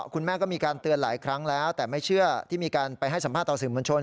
คุณแม่ก็มีการเตือนหลายครั้งแล้วแต่ไม่เชื่อที่มีการไปให้สัมภาษณ์ต่อสื่อมวลชน